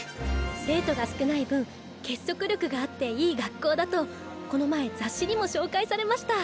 生徒が少ない分結束力があっていい学校だとこの前雑誌にも紹介されました。